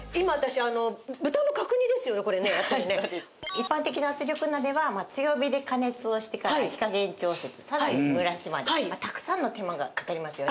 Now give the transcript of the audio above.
一般的な圧力鍋は強火で加熱をしてから火加減調節さらに蒸らしまでたくさんの手間がかかりますよね。